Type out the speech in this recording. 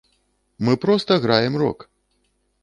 Мы проста граем рок!